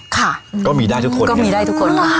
ค่ะก็มีได้ทุกคน